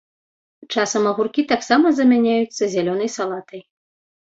Часам агуркі таксама замяняюцца зялёнай салатай.